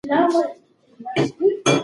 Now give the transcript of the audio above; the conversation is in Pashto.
پانګهوال مهاجر کېږي او بیکارۍ زیاتېږي.